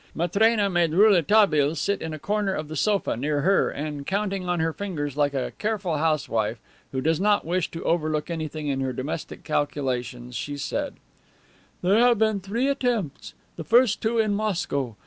Matrena made Rouletabille sit in a corner of the sofa, near her, and, counting on her fingers like a careful housewife who does not wish to overlook anything in her domestic calculations, she said: "There have been three attempts; the first two in Moscow.